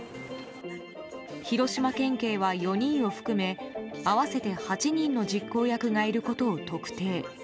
広島県警は、４人を含め合わせて８人の実行役がいることを特定。